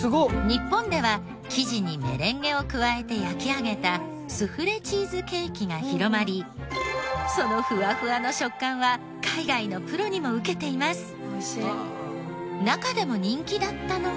日本では生地にメレンゲを加えて焼き上げたスフレチーズケーキが広まりそのふわふわの食感は海外のプロにもウケています。